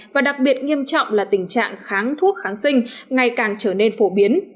và đặc biệt nghiêm trọng là tình trạng kháng thuốc kháng sinh ngày càng trở nên phổ biến